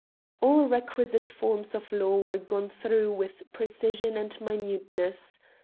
All requisite forms of law were gone through with precision and minuteness.